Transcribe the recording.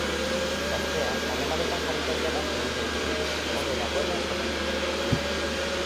Gaztea harremanetan jarri da jada senideekin, ondo dagoela esateko.